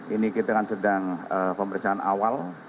ini kita kan sedang pemeriksaan awal